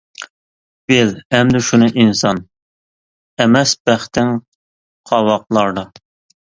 بىل ئەمدى شۇنى ئىنسان، ئەمەس بەختىڭ قاۋاقلاردا.